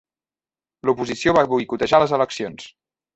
L'oposició va boicotejar les eleccions.